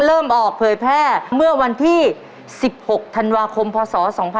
เริ่มออกเผยแพร่เมื่อวันที่๑๖ธันวาคมพศ๒๕๖๒